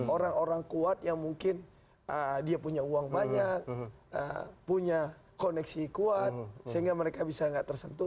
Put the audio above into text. orang orang kuat yang mungkin dia punya uang banyak punya koneksi kuat sehingga mereka bisa nggak tersentuh